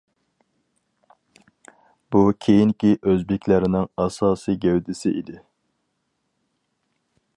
بۇ كېيىنكى ئۆزبېكلەرنىڭ ئاساسىي گەۋدىسى ئىدى.